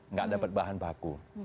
nggak dapat bahan baku